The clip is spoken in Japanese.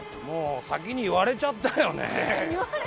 もう先に言われちゃったよね。